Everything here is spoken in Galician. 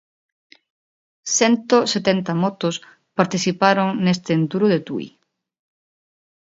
Cento setenta motos participaron neste Enduro de Tui.